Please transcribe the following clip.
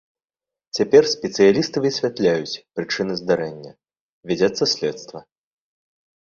Цяпер спецыялісты высвятляюць прычыны здарэння, вядзецца следства.